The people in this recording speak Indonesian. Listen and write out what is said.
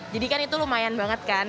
jadi kan itu lumayan banget kan